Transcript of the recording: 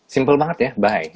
simple banget ya bye